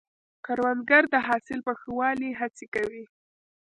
کروندګر د حاصل په ښه والي هڅې کوي